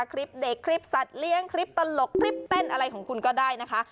คลิปเด็กคลิปสัตว์เลี้ยงคลิปตลกคลิปเต้นอะไรของคุณก็ได้นะคะ